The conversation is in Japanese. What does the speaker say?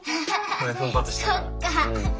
これ奮発したから。